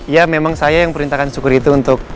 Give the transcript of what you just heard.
ya memang saya yang perintahkan syukur itu untuk